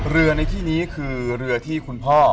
ในที่นี้คือเรือที่คุณพ่อ